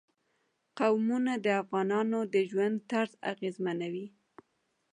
قومونه د افغانانو د ژوند طرز اغېزمنوي.